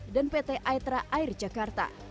dan pt aitra air jakarta